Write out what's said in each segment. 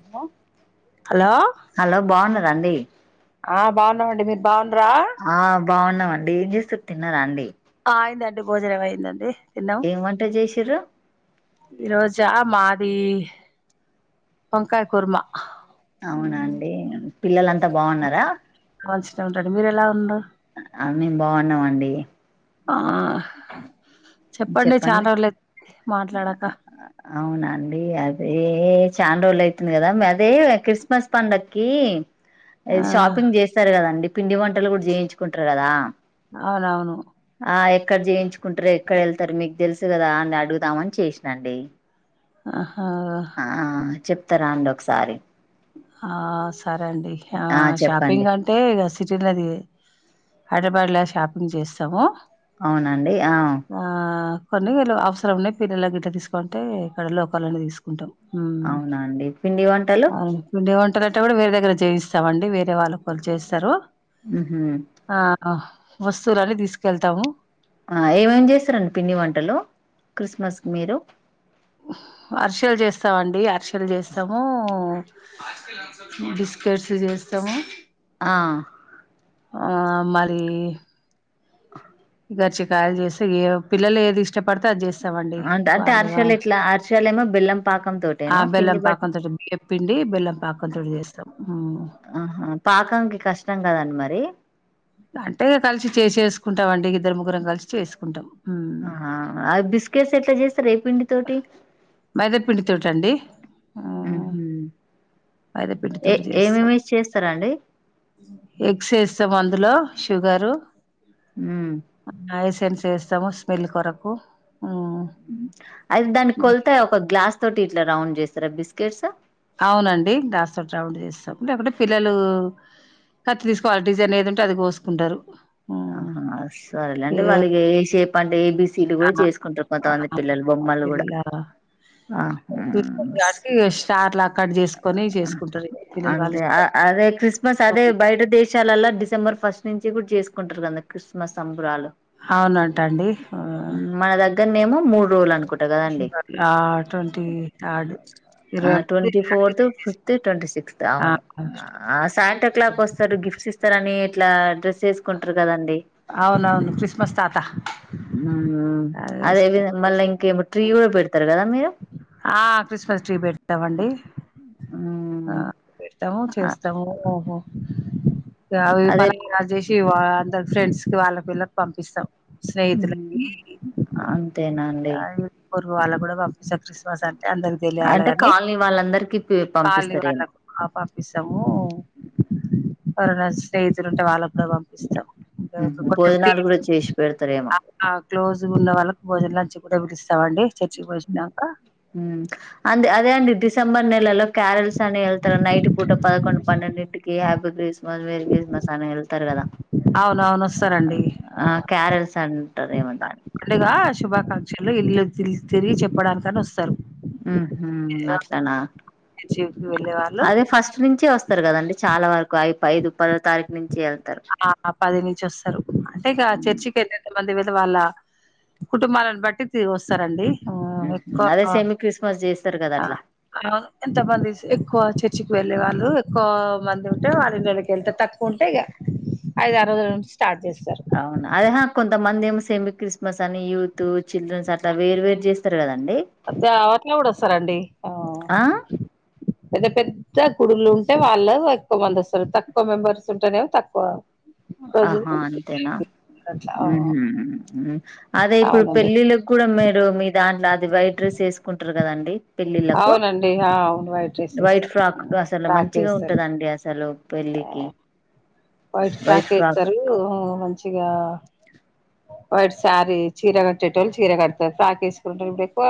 Hello hello రండి ఆ బాన్నం అండి మీరు బాగు రా ఆ బాగున్నామండి ఏం చేస్తు తిన్నారా అండి ఆ అయిందండి భోజనం అయిందండి తిన్నాం ఎం వంట చేసిర్రు ఈ రోజా మాది వంకాయ కురుమా అవునా అండి పిల్లలంతా బాగున్నారా మంచినే ఉంటరు మీరు ఎలా ఉండ్రు అ మేము బాగున్నామండి ఆ హ్ చెప్పండి మాట్లాడాక ఆ అవునా అండి అదే చాండ్రోలు అయితుంది కదా అదే క్రిస్మస్ పండగకి ఏ ఆ షాపింగ్ చేస్తారు కదండి పిండి వంటలు కూడా జేయించుకుంట్రు కదా అవును అవును క్కడ్ జేయించుకుంట్రే ఎక్కడ వెళ్తారు మీకు దెలుసు కదా అని అడుగుతామని చేసినాండి ఆహా వా త్త రాండి ఒకసారి ఆ సరే అండి ఆ షాపింగ్ అంటే ఇగ స్ ఈ చిన్నది హైద్రాబాద్ లో షాపింగ్ చేస్సాము అవునండి ఆ కొన్ని యెళ్ళు అవసరం ఉన్నాయి పిల్లల గిట్ల తీసుకోంటే ఇక్కడ లోకల్ లోనే తీసుకుంటాం ఉమ్ అవునా అండి పిండి వంటలు అవును. పిండి వంటలంటే కూడ వేరే దగ్గర చేయిస్తావండి వేరే వాళ్ళుకు వాళ్ళు చేయిస్తారు మ్మ్ హ్మ్ వస్తువులన్నీ తీసుకెళ్తాము ఆ ఏమేమి చేస్తారండి పిండి వంటలు క్రిస్మస్ కి మీరు అర్షెలు చేస్తావండి అరష్ క్కలు చేస్తాము బిస్కెట్స్ చేస్తాము ఆ ఆ మరి గర్చికయలు చేసి పిల్లలు ఏది ఇష్టపడితే అది చేస్ అంటే అంటే అరషలు ఎట్లా అర్ ాల మా బెలం ఆ బెల్లం పాకంంతో చెప్పిండి బెల్లం పాకంంతోటి చేస్తాం డి అంటే కలిసి చేసేసుకుంటాం అండి ఇద్దరు ముగ్గురం కలిసి చేసుకుంటాం హ్మ్. ఆహా అ బస్కెట్ ఎట్లా చే సరే పిండితోటి మైదా పిండి తోటి అండి మైదా పిండితోటి చేస్తాం చేస్తారండి ఎగ్స్ ఎస్ దులో షుగరు ఉమ్ సెన్స్ యేస్తము స్మెల్ కొరకు. ఉమ్, అయితే దాని కొల్త ఒక గ్లాస్ తోటి ఇట్లా రౌండ్ జేస్తరా బిస్కెట్స్? అవునండి గ్లాస్ తోటి రౌండ్ జేస్తం, లేకుంటే పిల్లలూ కత్తి తీసుకోవాలె. డిజైన్ ఏదుంటే అది గోసుకుంటారు. అ హా సరెలేండి, వాళ్ళు ఏ షేప్ అంటే ఏ బి సి లు గుడ ఆ, చేసుకుంటారు కొంతమంది ఆ, పిల్లలు బొమ్మలు గూడ. పిల్లల ఆ హా ట్ల ట్ల ఆ అంటె ఇష్టం అదే క్రిస్మస్ అదే బయట దేశాలల్ల డిసెంబర్ ఫస్ట్ నుంచి గుడ చేసుకుంటరు [unintelligible] క్రిస్మస్ సంబరాలు. అవునంట అండి. మన దగ్గరనేమో మూడు రోజులు అనుకుంటా కదండి ఆ ట్వంటీ థర్డ్ ఆ ఇరవై twenty fourth, fifth, twenty sixth ఆ, అవును. ఆ సాంట క్లాక్ వస్తడు గిఫ్ట్స్ ఇస్తరన్ మీ యిట్లా డ్రెస్ చేసుకుంటరు కదండి, అవునవును క్రిస్మస్ తాత ఉమ్ అదె [unintelligible] అదేసుకొచ్చేసారు. మల్లింకేమో ట్రీ గుడ పెడతరు గద మీరు? ఆ క్రిస్మస్ ట్రీ పెడతమండి. ఆ మ్ పెడతము, చేస్తాము ఓ హో గఅవి అదే పల [unintelligible] జేసి టి వాళ్ళ అందర్ ఫ్రెండ్స్ కి వాళ్ళ పిల్లల్కి పంపిస్తాం. స్నేహితులకి అంతేనండి. ఆహ్, పొరుగు వాళ్ళగ్గుడ పంపిస్త క్రిస్మస్ అం అంటే కాలనీ వాళ్ళందర్ కాలనీ వాళ్ళకు ఆ పంపిస్తము. ఎవరన్న స్నేహితులు ఉంటే వాళ్ళ గూడ పంపిస్తం. టె ఉహు కొంచెం ఫ్రీ భోజనాలు గ, కూడా చేసి పెడతారేమో ఆ క్లోజ్ గున్న వాళ్ళకు భోజన లంచ్ గుడ [unintelligible] త్తవండి చర్చ్ కి పోయోచినాక. దే అండి డిసెంబర్ నెలల. క్యారల్స్ అని వెళ్తర నైట్ పూట పదకొండు, పన్నెండింటికి ఆబ్ వేస్ [unintelligible] వెళ్తరు గదా, అవునవును వస్తారండి ఆ క్యారెల్స్ అంటరు ఏమంట తిరిగి తిరిగి చెప్పడానికని ఒస్తరు. మ్ హు అట్లనా చర్చికి వెళ్ళే వాళ్ళు అదే ఫస్ట్ నుంచి వస్ కదండి చాలా వరకు ఐ ఐదు పదో తారీఖు నుం ఆ పది నుంచి వస్తారు అంటే ఇక ఉమ్ చర్చికి [inaudible] మంది విధ వాళ్ళ కుటుంబాలను బట్టి తీ వస్తారండి ఆ ఉహు ఎక్కువ అదే సెమీ క్రిస్మస్ చేస్తారు కదా అట్లా ఎంతమంది ఎక్కువ చర్చి వెళ్ళే వాళ్ళు ఎక్కువ మంది ఉంటే వాళక్కడికి వెళ్తే తక్కువ ఉంటే ఇక అయి [unintelligible] అవును అదే హకు ఇంత మంది ఏమో సేమి క్రిస్మస్ అని యూత్ చిల్డ్రన్స్ అట్లా వేరు వేరు చేస్తారు కద అదే అవాట్లో కూడా వస్తారండి అ ఆ పెద్ద పెద్ద కె గుడులు ఉంటే వాళ్ళు ఎక్కువ మంది వస్తారు తక్కువ మెంబర్స్ ఉంటేనేమో తక్కువ రోజులు ఆహా అంతెనా అట్లా ఆ మ్ హు మ్ అదే ఇప్పుడు అవునండి పెళ్ళిళ్ళకి కూడా మీరు మీ దాంట్లో అది వైట్ డ్రెస్ వేసుకుంటారు కదండి పెళ్లిళ్లకు అవునండి ఆ! అవును వైట్ రైస్ వైట్ వేస్తారు ఫ్రాక్ అసలు ఫ్రాక్ మంచిగా వేస్తారు ఉంటదండి అసలు పెళ్లికి వైట్ పకస్తారు మంచిగా వైట్ శారీ చీర కట్టేటెళ్ళు చీర కడతారు, ఫ్రాక్ వేసుకుంటారు ఇప్పుడు ఎక్కువ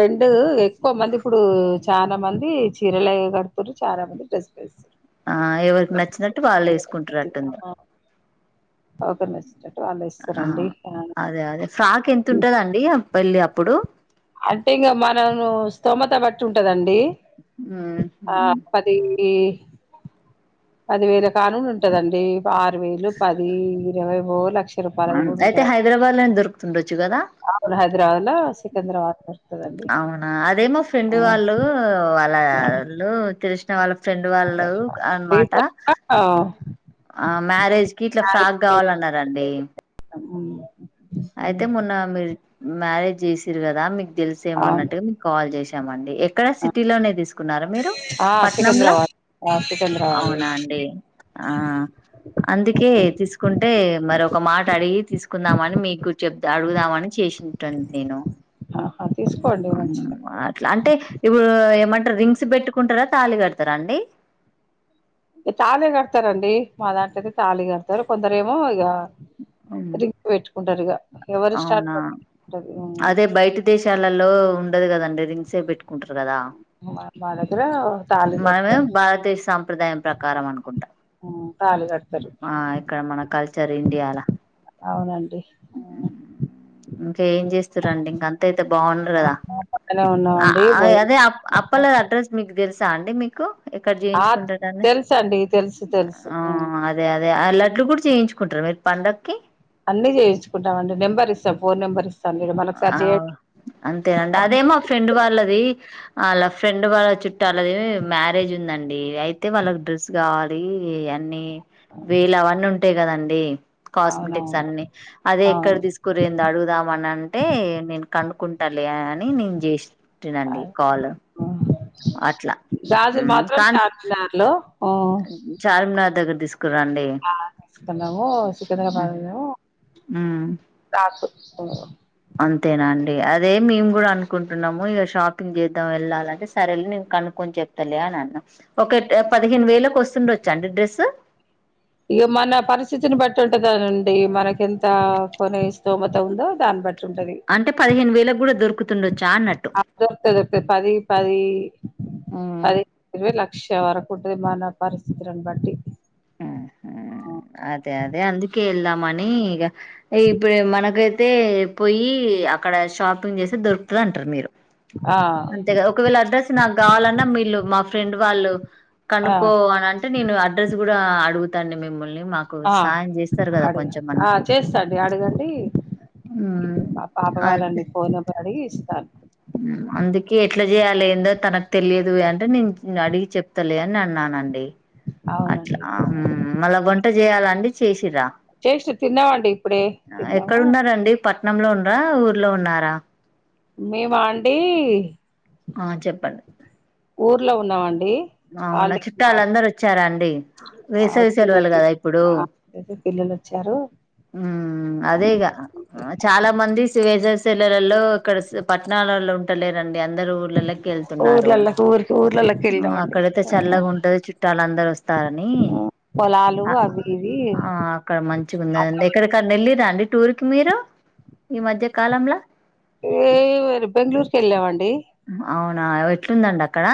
రెండు ఎక్కువ మంది ఇప్పుడు, చాలా మంది చీరలు కడుతరు చాలా మంది డ్రెస్సులు వేస్తారు. ఆ ఎవరికి నచ్చినట్ వాళ్ళు వేసుకుంటుారుట్టుంది ఓక ఆ అదే అదే ఫ్రాక్ ఎంత ఉంటదండి పెళ్ళి అప్పుడు అంటే ఇంకా మనం స్తోమత బట్టి ఉంటదండి మ్మ్. డి ఆది పది వేర కానుూలు ఉంటదండి ఆరు వేలు పదిహను లక్ష రూపాయలది కూడా అయితే ఉంటదండి హైదరాబాద్ లోనే దొరుకుతుండొచ్చు కదా అవును హైదరాబాద్ లో సికింద్రాబాద్ ఆ దొరుకుతదండి అవునా అదే మా ఫ్రెండ్ వాళ్ళు వాళ్ళళ్ళు తెలుసు ళ్ళ ఫ్రెండ్ అదే వాళ్ళు అనమాట రీసెంట్ గా ఆ మ్యారేజ్ కి ఇట్లా ఫ్రాక్ కావాలన్నారండి అవు అయితే మొన్న మీది మ్యారేజ్ చేసిర్రు కదా మీకు తెలుసేమో అవును అన్నట్టుగా మీకు కాల్ చేసి ఏమండీ ఏ క్కడ సిటీలోనే తీసుకున్నారా మీరు ఆ పట్నంలా సికింద్రాబాద్ ఆ సికింద్రాబాద్ అవునా అండి ఆ అందుకే, తీసుకుంటే మరి ఒక మాట అడిగి తీసుకుందామని మీ కూచెబ్దా అడుగుదామని చేసింటండి నేను ఆహా తీసుకోండి అవునా మంచిగా ఆ అట్లా అంటే ఇప్పుడు ఏమంటారు రింగ్స్ పెట్టుకుంటారా తాళి కడ్తారా అండి తాళే కడ్తారండి మా దాంట్లో అయితే తాళి కడతారు కొందరేమో ఇగ హ్మ్ రింగ్ పెట్టుకుంటారు ఇగ ఎవరు స్టార్ అవునా పట్టి ఉంటాది మ్మ్ శాలల్లో ఉండదు కదండి రింగ్సే పెట్టు కుంటురు కదా మా దగ్గర తాళి మనమే కడతారు భారతదేశ సాంప్రదాయం ప్రకారం అనుకుంటా, తాళి కడతారు ఆ ఇక్కడ మన కల్చ్ ఇండియా లా అవునండి ఉ ఏం చేస్తరండి ఇంక అంతే అయితే బాగుండ్రు కదా, పక్కనే ఆ ఉన్నామండి ఆ అదే భోజనం అప్ అప్పల అడ్రస్ మీకు తెలుసు, తాండి మీకు ఎక్కడ ఆ చేయించుకుంటారని తెలుసు అండి తెలుసు తెలుసు ఊ అ లడ్లు కూడా చేయించు కుంటారా మీరు పండగక్కి అన్ని చేయిుంటాం అండి నంబరిస్తా ఫోన్ నెంబర్ ఇస్తా ఆవ్ అంతేనండి ఫోన్ అదే మా ఫ్రెండ్ వాళ్ళది అల్లా ఫ్రెండ్ వాళ్ళ చుట్టూలది మ్యారేజ్ ఉందండి ఐ ఐతే వాళ్ల డెస్ గాగ్ ఇవే అన్నీ వేళవన్ను అంతే కదండి కాస్మెటిక్స్ అవునవును అన్ని అదే ఎక్కడ అవును తీసుకెళ్ళిదనీ అడుగుదామని అంటే నేను కనుకుంటాలే అని నేను చేసింటినండి కాల్ అట్లా గాజులు మాత్రం చార్మినార్ లో ముమ్ చార్మినర్ దగ్గర తీసుకురండి సక్కనంగా పా ఉమ్ అ అంతేనా అండి అదే మేము కూడా అనుకుంటున్నాము ఇక షాపింగ్ చేద్దాం వెళ్ళాలంటే సరే నేను కను కొ చెప్తలే అన్నా ఒక పదిహేను వేలకు వస్తుండ వచ్చ చం డ్రెస్ ఇ మన పరిస్థితిని బట్టి ఉంటుందానండి మనకి ఎంత కొనే స్థోమత ఉందో దాన్ని బట్టి అంటే పదిహేను వేలకు కూడా దొరుకుంది ఆ దొరుకుతా దొరుకుతది పది ఉమ్ పది ఇరవై వేల విష వర కుట్టది మన పరిస్థితిని బట్టి అదే అదే అదే అందుకే వెళ్దామని ఇక ఇప్పుడు మనకైతే పోయి అక్కడ షాపింగ్ చేసే దొరుకుతుంది అంటారు మీరు ఆ అంతేగాదు ఒకవేళ అడ్రస్ నాకు కావాలన్నా మీళ్ళు మా ఫ్రెండ్ వాళ్ళు ఆ కనుకో అనంటే నేను అడ్రెస్ కూడా అడుగుతాండి మిమ్మల్ని ఆ సాయం చేస్తారు కదా అడగండి కొంచెం అన్నా ఆ చేస్తాండి అడగండి ఉమ్ పాప అది వాళ్ళండి ఫోన్ అడిగి స అందుకే ఎట్లా చేయాలి ఏందో తనకు తెలియదు అంటే నేను అడిగి చెప్తలే అని అన్నానండి అట్లా అవునండి మళ కొంట చేయాలండి చేసి చేసి తిన్నామండి ఇప్పుడే తిన్నాము ఎక్కడున్నారండి పట్నంలో ఉండరా ఊర్లో ఉన్నారా మేమా అండీ ఆ చెప్పండి ఊర్లో ఉన్నాంమండి అవునా చుట్టాలుందరుూ వచ్చారాండి వేసవి వచ్చిరు సెలవలు కదా ఇప్పుడు వచ్చిరు పిల్లలు వచ్చారు అదేగా చాలా మంది వేసవి సేల్లలో ఇక్కడ పట్టణాలలో ఉంటలే అందరు ఊళ్ళలోకి వెళ్తున్నారు ఊర్లలోకి ఊరికి ఊర్లలోకి వెళ్ళామండి చల్లగా ఉంటది చుట్టాల అందరు వస్తారని పొలాలు అవి ఇవి అక్కడ మంచి ఆ ఎక్కడిక వెళ్ళిరా అండి టూర్ కి మీరు ఈ మధ్య కాలంలా తర్వాత బెంగళూరుకి వెళ్ళామండి అవునా ఎట్లుందండి అక్కడ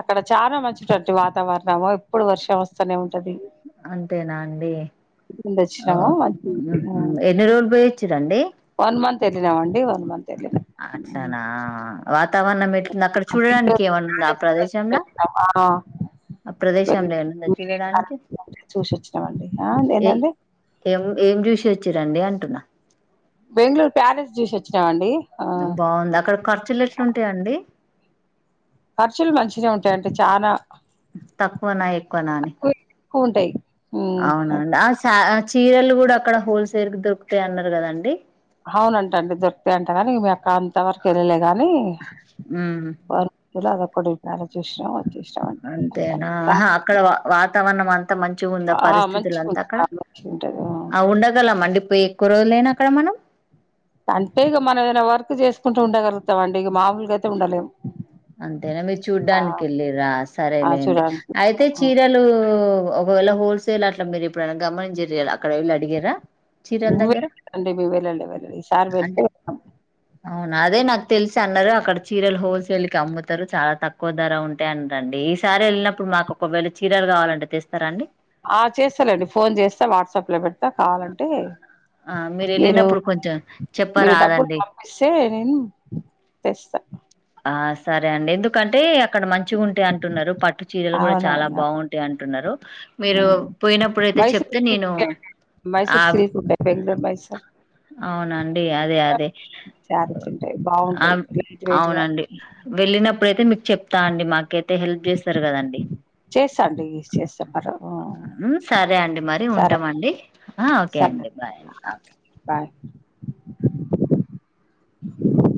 అక్కడ చాలా మంచివంటి వాతావరణము ఎప్పుడు వర్షం వస్తూనే ఉంటది అంతేనా అండి ముందు వచ్చినాము మంచి ఎన్ని రోజులు పోయి ఒచ్చిర్రండి తెలినామండి వన్ మంత్ వెళ్లి అట్లనా వా వాతావరణం ఎట్ంది అక్కడ చూడడానికి ఏమన్నా ఉందా ఆ ప్రదేశంంలో ఆ ప్రదేశంలో ఏంద చూడడానికి చూసి వచ్చినామండి ఏంటంటే ఏం ఏం చూసిచ్చు చ్చిరండి అంటున్నా బెంగళూరు ప్యాలెస్ జ్యూస్ వచ్చినావండి బాగుంది అక్కడ ఖర్చులు ఎట్లుంటాయిండి ఖర్చులు మంచిన ఉంటాయింటే చాలనాా తక్కువ నా ఎక్కువనాని ఉంటాయి హ్మ్ అవునం చీరలు కూడా అక్కడ హోల్సేల్ కి దొరుకుతాయ అన్నారు కదండి అవునంటండి దొరుకుతా అంట కానీ మీ అక్క అంత వరకు వెళ్లే కాగానీ బ విరాద కొడపోరు అంతేనాహా అక్కడ వా తవన్న మ అంత మంచి ఉందా ఆ పరిస్థితులు మంచిగా అంతా అక్కడ ఉంటది మంచిగా ఉంటది ఆ ఉండగల అండి ప్పు ఎక్కువ రోజులయినా అక్కడ మనం అంటే ఇక మం ఏదైనా వర్క్ చేసుకుంటూ ఉండగలుగుతాం అండి ఇక మామూలుగా అయితే ఉండలేం అంతేనా మీరు ఆ చూడ్డానికి వెళ్ళి రా ఆ! సరేలేండి చూడడానికి అయితే చీరలు ఒకవేళ హోల్సేల్ అట్ల మీరు ఇప్పుడుైనా గమనించ జరి వెండి మీ వెళ్ళలే వెళ్ళడి సార్ అంటే వెళ్తే అవునా అదే నాకు తెలిసి అన్నారు అక్కడ చీరలు హోల్సేల్ అమ్ముతారు చాలా తక్కువ ధర ఉంటాయ అ రండి ఈసారి వెళ్ళినప్పుడు మాకు ఒకవేళ చీరలు కావాలంటే తెస్తారంండి ఆ చేస్తలేండి ఫోన్ చేస్తా వాట్సాప్ లో పెడతా కావాలంటే ఆ మీరు వెళ్ళినప్పుడు కొంచెం మీరు డబ్బులు చెప్పరాదండి పంపిస్తే నేను తెస్తాను ఆ సరే అండి ఎందుకంటే అక్కడ మంచిగా ఉంటాయి అంటున్నారు పట్టు చీరలు కూడా చాలా అవునవును బాగుంటాయి అంటున్నారు మీరు హ్మ్. పోయినప్పుడుయితే మైసూర్ చెప్తే నేను సిల్క్ ఆ మైసూర్ సిల్క్ ఉంటాయి బెంగళూరు మైసూర్ అవునండి అదే అదే శారీస్ ఉంటాయి బాగుంటాయి లైట్ ఆ వెయిట్ గా అవునండి వెళ్ళిన ఇప్పుడైతే మీకు చెప్తా అండి మాకైతే హెల్ప్ చేస్తారు కదండి చేస్తాండి చేస్తా పర్వ ఆ, సరే అండి మరి సరే ఉంటామండి ఓకే సరే అండి బాయ్ బాయ్ [inaudible]